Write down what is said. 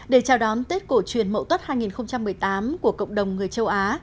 để chào đón tết cổ truyền mẫu tốt hai nghìn một mươi tám của cộng đồng người châu á